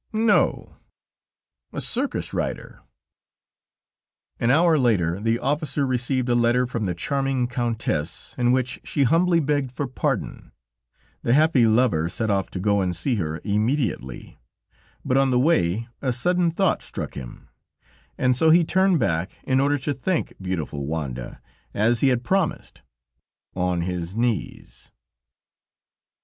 "No; a circus rider." An hour later the officer received a letter from the charming Countess, in which she humbly begged for pardon; the happy lover set off to go and see her immediately, but on the way a sudden thought struck him, and so he turned back in order to thank beautiful Wanda, as he had promised, on his knees.